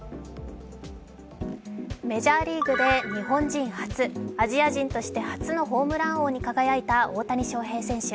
メジャーリーグで日本人初、アジア人として初のホームラン王に輝いた大谷翔平選手。